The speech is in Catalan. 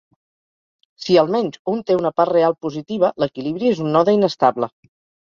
Si almenys un té una part real positiva, l'equilibri és un node inestable.